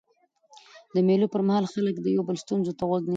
د مېلو پر مهال خلک د یو بل ستونزو ته غوږ نیسي.